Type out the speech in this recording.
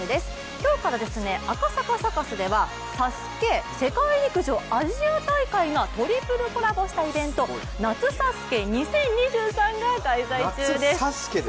今日から赤坂サカスでは「ＳＡＳＵＫＥ」、世界陸上アジア大会がトリプルコラボしたイベント「夏ＳＡＳＵＫＥ２０２３」が開催中です。